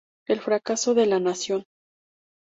El fracaso de la nación.